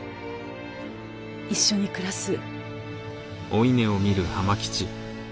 一緒に暮らす。